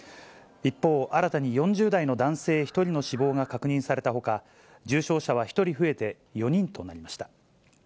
一方、新たに４０代の男性１人の死亡が確認されたほか、重症者は１人増えて４人となりました。